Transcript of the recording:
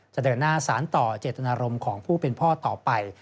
จะเดินหน้าสารต่อเจตนารมณ์ของผู้เป็นพ่อต่อไป